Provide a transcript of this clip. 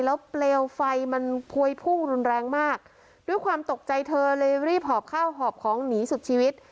แล้วเปลวไฟมันพวยพุ่งรุนแรงมากด้วยความตกใจเธอเลยรีบหอบข้าวหอบของหนีสุดชีวิต